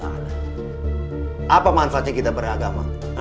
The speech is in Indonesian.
apa manfaatnya kita beragama